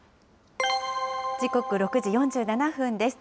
時刻、６時４７分です。